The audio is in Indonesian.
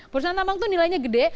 perusahaan tambang itu nilainya gede